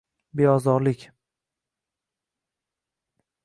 Beozorlik